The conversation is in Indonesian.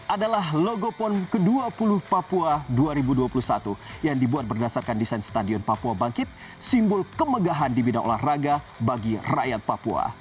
adalah logo pon ke dua puluh papua dua ribu dua puluh satu yang dibuat berdasarkan desain stadion papua bangkit simbol kemegahan di bidang olahraga bagi rakyat papua